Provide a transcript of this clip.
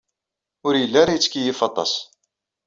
Ur yelli ara yettkeyyif aṭas.